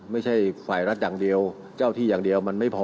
ไม่ใช่ฝ่ายรัฐอย่างเดียวเจ้าที่อย่างเดียวมันไม่พอ